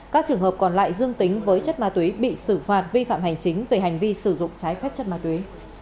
các trường hợp còn lại dương tính với chất ma túy bị xử phạt vi phạm hành chính về hành vi sử dụng trái phép chất ma túy